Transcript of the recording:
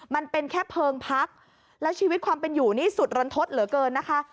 มันเป็นแค่เพลิงพักแล้วชีวิตความเป็นอยู่นี่สุดรันทดเหลือเกินนะคะ